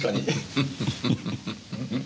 フフフ。